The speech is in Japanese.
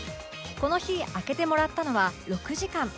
この日空けてもらったのは６時間